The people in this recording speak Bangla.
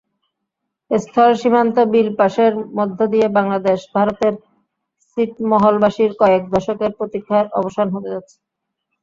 স্থলসীমান্ত বিল পাসের মধ্য দিয়ে বাংলাদেশ-ভারতের ছিটমহলবাসীর কয়েক দশকের প্রতীক্ষার অবসান হতে যাচ্ছে।